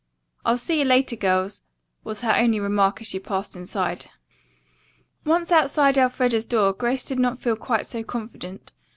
"I'll see you later, girls," was her only remark as she passed inside. Once outside Elfreda's door, Grace did not feel quite so confident.